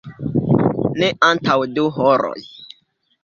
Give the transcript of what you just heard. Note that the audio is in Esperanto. Ne antaŭ du horoj.